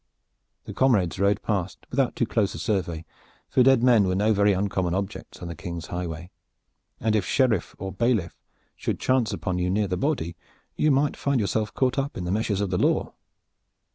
The comrades rode past without too close a survey, for dead men were no very uncommon objects on the King's highway, and if sheriff or bailiff should chance upon you near the body you might find yourself caught in the meshes of the law.